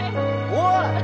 おい！